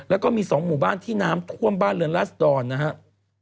แล้วก็มี๒หมู่บ้านที่น้ำท่วมบ้านเรือนราษดรนะครับ